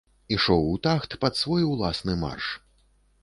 Ішоў у тахт пад свой уласны марш.